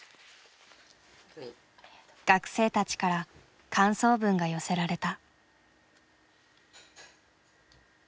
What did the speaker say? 学生たちから感想文が寄せられた。